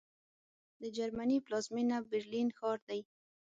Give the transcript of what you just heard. د جرمني پلازمېنه برلین ښار دی